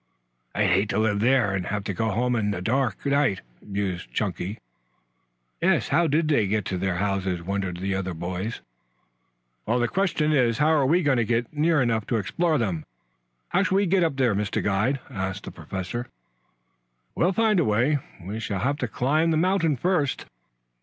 "I'd hate to live there and have to go home in a dark night," mused Chunky. "Yes, how did they get to their houses?" wondered the other boys. "The question is, how are we going to get near enough to explore them? How shall we get up there, Mr. Guide?" asked the Professor. "We'll find a way. We shall have to climb the mountain, first."